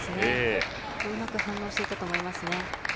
うまく反応していたと思います。